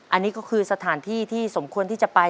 อันนี้ก็คือสถานที่ที่สมควรที่จะไป